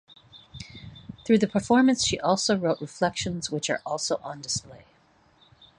Through the performance she also wrote reflections which are also on display.